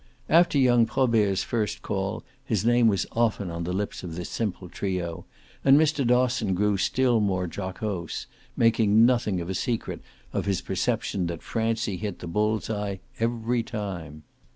After young Probert's first call his name was often on the lips of the simple trio, and Mr. Dosson grew still more jocose, making nothing of a secret of his perception that Francie hit the bull's eye "every time."